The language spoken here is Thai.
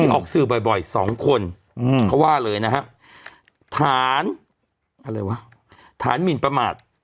ออกสื่อบ่อยสองคนเขาว่าเลยนะฮะฐานอะไรวะฐานหมินประมาท